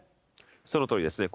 そのとおりですね。